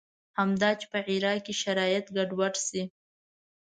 همدا چې په عراق کې شرایط ګډوډ شي.